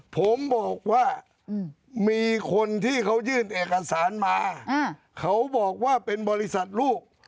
ผมบอกว่ามีคนที่เขายื่นเอกสารมาเขาบอกว่าเป็นบริษัทลูก